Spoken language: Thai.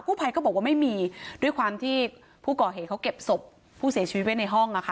ภัยก็บอกว่าไม่มีด้วยความที่ผู้ก่อเหตุเขาเก็บศพผู้เสียชีวิตไว้ในห้องอะค่ะ